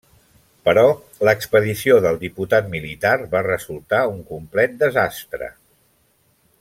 Però l'expedició del diputat militar va resultar un complet desastre.